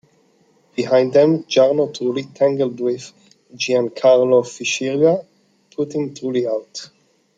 Behind them, Jarno Trulli tangled with Giancarlo Fisichella, putting Trulli out.